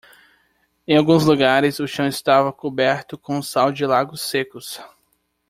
Em alguns lugares, o chão estava coberto com o sal de lagos secos.